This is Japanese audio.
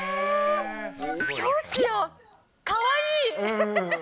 どうしよう、かわいい。